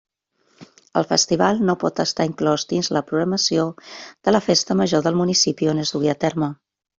El festival no pot estar inclòs dins la programació de la festa major del municipi on es dugui a terme.